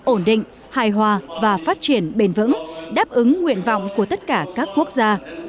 ổn định hài hòa và phát triển bền vững đáp ứng nguyện vọng của tất cả các quốc gia